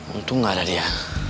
untung gak ada dia